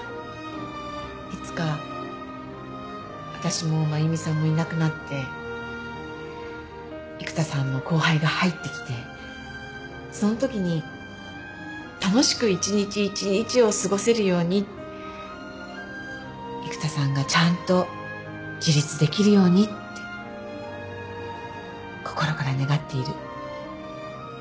いつか私も真由美さんもいなくなって育田さんの後輩が入ってきてそのときに楽しく一日一日を過ごせるように育田さんがちゃんと自立できるようにって心から願っている。